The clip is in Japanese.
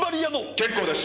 結構です。